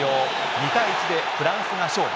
２対１でフランスが勝利。